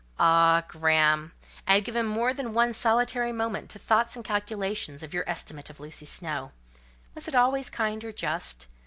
Ah, Graham! I have given more than one solitary moment to thoughts and calculations of your estimate of Lucy Snowe: was it always kind or just?